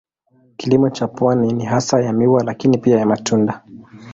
Kilimo cha pwani ni hasa ya miwa lakini pia ya matunda.